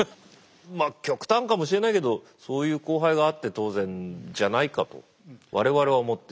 まあ極端かもしれないけどそういう交配があって当然じゃないかと我々は思ってしまう。